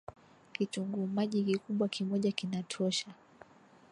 Kitunguu maji Kikubwa kimoja kinatosha